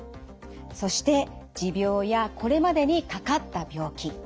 そして持病やこれまでにかかった病気。